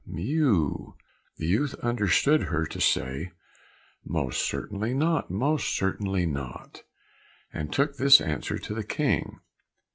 Mew!" The youth understood her to say, "Most certainly not! most certainly not!" and took this answer to the King.